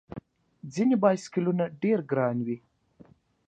ځینې بایسکلونه ډېر ګران وي.